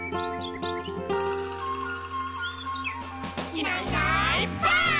「いないいないばあっ！」